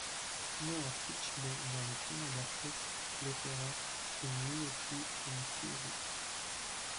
Né à Fitch Bay dans le Canada-Est, il opéra une minoterie et une scierie.